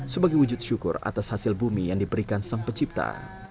sebagai wujud syukur atas hasil bumi yang diberikan sang pencipta